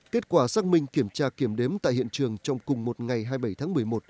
kết quả xác minh kiểm tra kiểm đếm tại hiện trường trong cùng một ngày hai mươi bảy tháng một mươi một